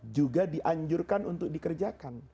juga dianjurkan untuk dikerjakan